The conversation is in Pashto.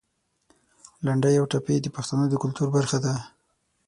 لنډۍ او ټپې د پښتنو د کلتور برخه ده.